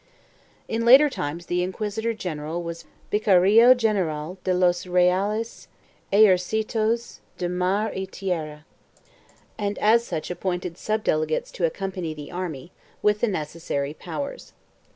3 In later times the inquisitor general was "Vicario general de los Reales Ejercitos de Mar y Tierra" and as such appointed sub delegates to accompany the army, with the necessary powers.